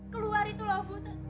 keluar itu loh bu